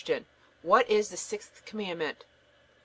What is the sixth Commandment?